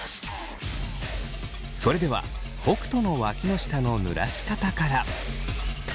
それでは北斗のわきの下のぬらし方から。